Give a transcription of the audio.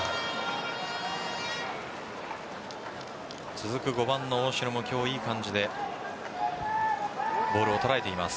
続く５番の大城も今日、いい感じでボールを捉えています。